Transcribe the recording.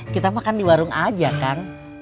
kita makan di warung aja kan